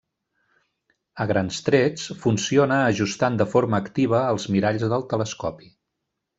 A grans trets, funciona ajustant de forma activa els miralls del telescopi.